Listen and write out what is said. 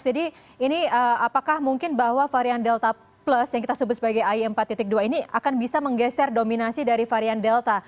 jadi ini apakah mungkin bahwa varian delta plus yang kita sebut sebagai ai empat dua ini akan bisa menggeser dominasi dari varian delta